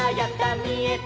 みえた！」